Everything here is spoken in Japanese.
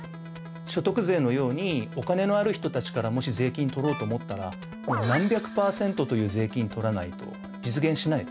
所得税のようにお金のある人たちからもし税金取ろうと思ったらもう何百％という税金取らないと実現しないですね。